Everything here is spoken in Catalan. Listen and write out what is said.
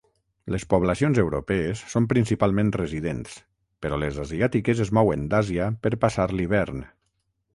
Les poblacions europees són principalment residents, però les asiàtiques es mouen d'Àsia per passar l'hivern.